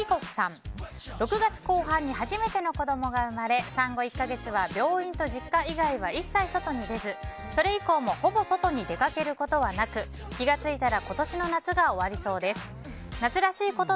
６月後半に初めての子供が生まれ産後１か月は病院と実家以外は一切外に出ずそれ以降もほぼ外に出かけることはなく「パーフェクトスティック」は。